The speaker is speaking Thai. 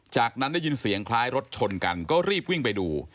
จากนั้นได้ยินเสียงคล้ายรถชนกันก็รีบวิ่งไปดู